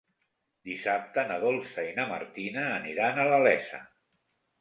Dissabte na Dolça i na Martina aniran a la Iessa.